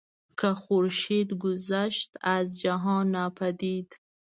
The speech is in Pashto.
که خورشید گشت از جهان ناپدید